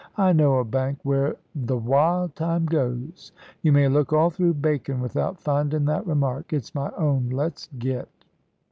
I know a bank where th' wild time goes. You may look all through Bacon without findin' that remark it's my own. Let's get."